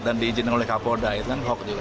dan diizinkan oleh kapolda itu kan hoax juga